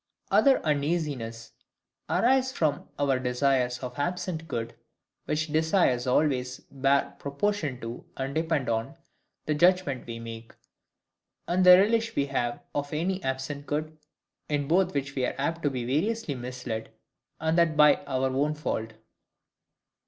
Other uneasinesses arise from our desires of absent good; which desires always bear proportion to, and depend on, the judgment we make, and the relish we have of any absent good; in both which we are apt to be variously misled, and that by our own fault.